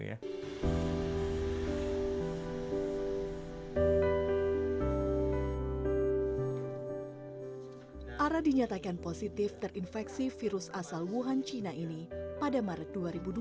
ara dinyatakan positif terinfeksi virus asal wuhan cina ini pada maret dua ribu dua puluh